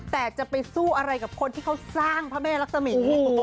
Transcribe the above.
แต่จะไปสู้อะไรกับคนที่เขาสร้างพระแม่รักษมี